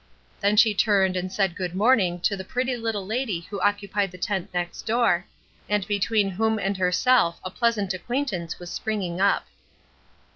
Then she turned and said "good morning" to the pretty little lady who occupied the tent next door, and between whom and herself a pleasant acquaintance was springing up.